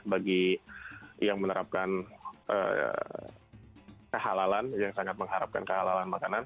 bagi yang menerapkan kehalalan yang sangat mengharapkan kehalalan makanan